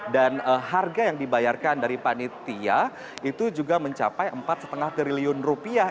dan harga yang dibayarkan dari panitia itu juga mencapai empat lima triliun rupiah